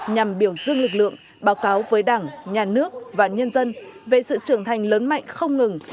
nhằm biểu dương lực lượng báo cáo với đảng nhà nước và nhân dân về sự trưởng thành lớn mạnh không ngừng